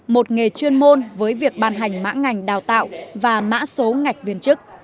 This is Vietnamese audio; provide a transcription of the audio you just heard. một nghề chuyên môn với việc ban hành mã ngành đào tạo và mã số ngạch viên chức